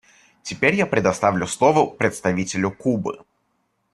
Теперь я предоставляю слово представителю Кубы.